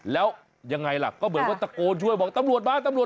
แล้วยังไงล่ะก็เหมือนว่าตะโกนช่วยบอกตำรวจมาตำรวจ